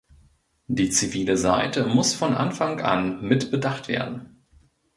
Die zivile Seite muss von Anfang an mit bedacht werden.